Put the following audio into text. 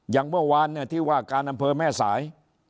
อย่างเมื่อวานที่ว่าการอำเภอแม่สาย